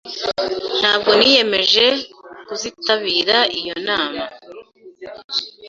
Ntabwo niyemeje kuzitabira iyo nama.